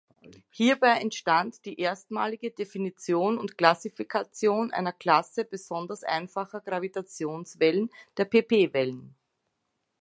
Hierbei entstand die erstmalige Definition und Klassifikation einer Klasse besonders einfacher Gravitationswellen, der pp-Wellen.